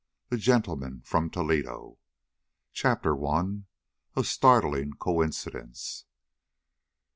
THE GENTLEMAN FROM TOLEDO. I. A STARTLING COINCIDENCE.